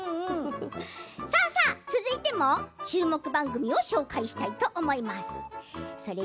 続いても注目番組を紹介したいと思います。